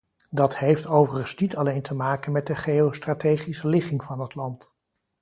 Dat heeft overigens niet alleen te maken met de geostrategische ligging van het land.